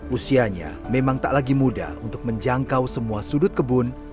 usianya memang tak lagi mudah untuk menjangkau semua sudut kebun